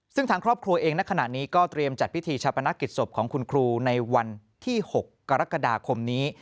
ซึ่งทางครอบครัวเองในขณะนี้ก็เตรียมจัดพิธีชาปนกิจศพของคุณครูในวันที่๖กรกฎาคมนี้